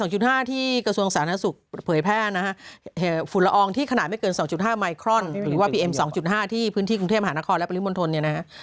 หายประโบข้ามาหายไปเลยนะฮะ